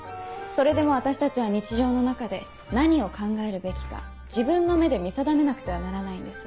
それでも私たちは日常の中で何を考えるべきか自分の目で見定めなくてはならないんです。